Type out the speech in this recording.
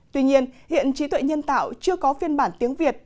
tuy nhiên hiện trí tuệ nhân tạo chưa có phiên bản tiếng việt